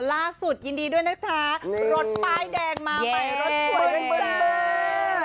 ล่าสุดยินดีด้วยนะคะรถป้ายแดงมาไปรถสวยด้วย